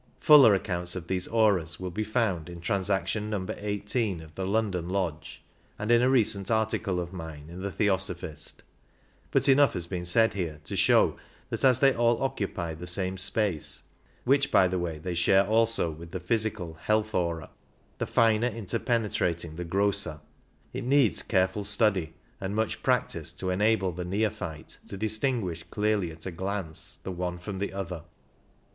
Fuller accounts of these auras will be found in Transaction No. 1 8 of the London Lodge, and in a recent article of mine in The Theosophist, but enough has been said here to show that as they all occupy the same space (which by the way they share also with the physical health aura), the finer mter penetrating the grosser, it needs careful study and much 12 practice to enable the neophyte to distinguish clearly at a glance the one from the other.